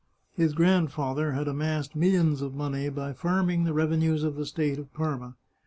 His grandfather had amassed millions of money by farming the revenues of the state of Parma.